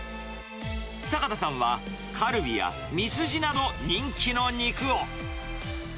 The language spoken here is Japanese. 坂田さんはカルビやミスジなど人気の肉を。